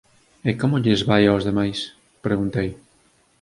E como lles vai aos demais? —preguntei—.